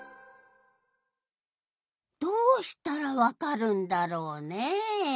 どうしたらわかるんだろうねえ